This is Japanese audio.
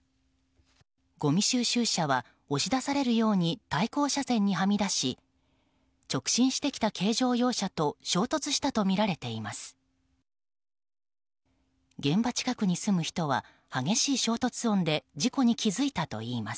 ごみ収集車は押し出されるように対向車線にはみ出し直進してきた軽乗用車と衝突したとみられています。